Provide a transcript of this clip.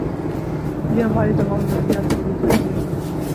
یہ ہماری تمام ضروریات پوری کرتی ہے